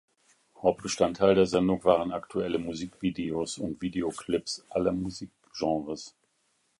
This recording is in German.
Hauptbestandteil der Sendung waren aktuelle Musikvideos und Videoclips aller Musikgenres.